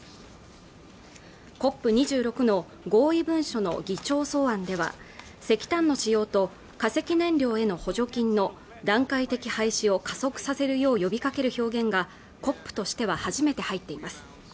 ＣＯＰ２６の合意文書の議長草案では石炭の使用と化石燃料への補助金の段階的廃止を加速させるよう呼びかける表現がＣＯＰとしては初めて入っています